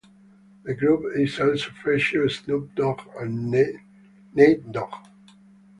The group also featured Snoop Dogg and Nate Dogg.